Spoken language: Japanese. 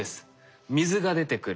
水が出てくる。